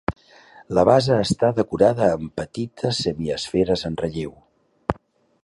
La base està decorada amb petites semiesferes en relleu.